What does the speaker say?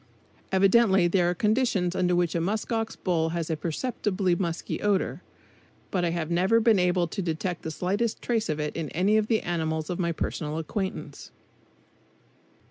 Evidently there are conditions under which a musk ox bull has a perceptibly musky odor, but I have never been able to detect the slightest trace of it in any of the animals of my personal acquaintance.